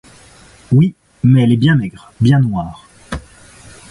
Oui, mais elle est bien maigre, bien noire.